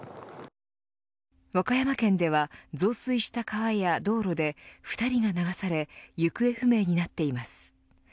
和歌山県では増水した川や道路で２人が流され行方不明になっています。